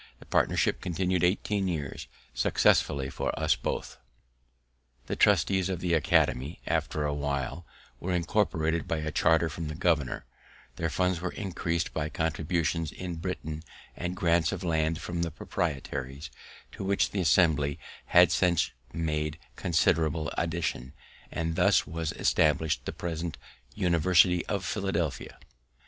The partnership continued eighteen years, successfully for us both. The trustees of the academy, after a while, were incorporated by a charter from the governor; their funds were increas'd by contributions in Britain and grants of land from the proprietaries, to which the Assembly has since made considerable addition; and thus was established the present University of Philadelphia.